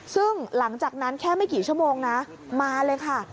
ซึ่งหลังจากนั้นแค่ไม่กี่ชั่วโมงนะมาเลยค่ะ